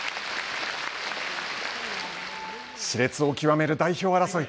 しれつを極める代表争い。